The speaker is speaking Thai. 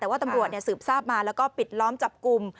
แต่ว่าตำรวจสืบทราบมาแล้วก็ปิดล้อมจับกลุ่ม